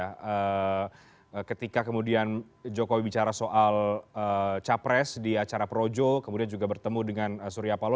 nah ketika kemudian jokowi bicara soal capres di acara projo kemudian juga bertemu dengan surya palo